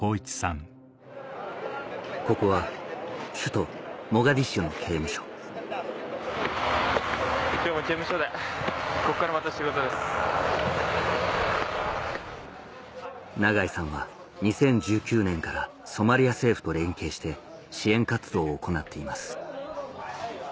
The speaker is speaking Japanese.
ここは首都永井さんは２０１９年からソマリア政府と連携して支援活動を行っています